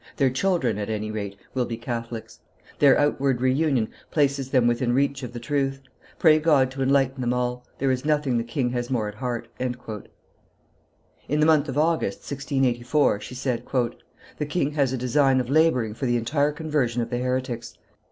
Their children, at any rate, will be Catholics; their outward reunion places them within reach of the truth; pray God to enlighten them all; there is nothing the king has more at heart." In the month of August, 1684, she said, "The king has a design of laboring for the entire conversion of the heretics.